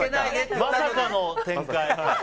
まさかの展開。